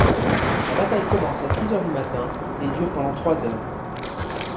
La bataille commence à six heures du matin et dure pendant trois heures.